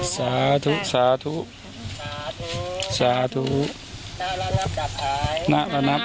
สวัสดีครับ